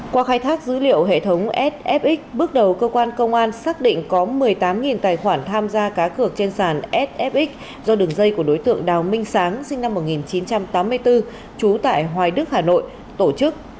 qua khai thác dữ liệu hệ thống sfxx bước đầu cơ quan công an xác định có một mươi tám tài khoản tham gia cá cược trên sàn sfxx do đường dây của đối tượng đào minh sáng sinh năm một nghìn chín trăm tám mươi bốn trú tại hoài đức hà nội tổ chức